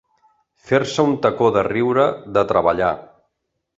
Fer-se un tacó de riure, de treballar.